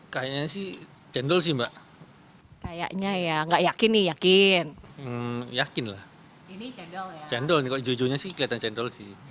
kayaknya sih cendol sih mbak kayaknya ya nggak yakin yakin yakin cendol cendol